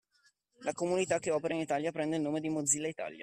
La comunità che opera in Italia prende il nome di Mozilla Italia.